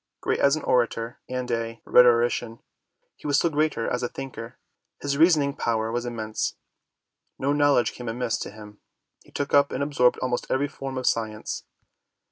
Great as an orator and a rhetorician, he was still greater as a thinker. His reasoning power was immense. No knowledge came amiss to him. He took up and absorbed almost every form of science.